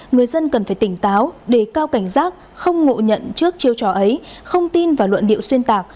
người dân cần phải tỉnh táo đề cao cảnh giác không ngộ nhận trước chiêu trò ấy không tin vào luận điệu xuyên tạc